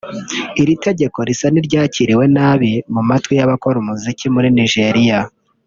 Iri tegeko risa n’iryakiriwe nabi mu matwi y’abakora muzika muri Nigeria